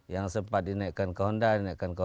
yang sempat dinaikkan ke honda